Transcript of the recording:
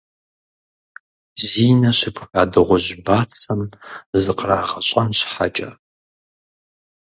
Зи нэ щыпха дыгъужь бацэм зыкърагъэщӀэн щхьэкӀэ,.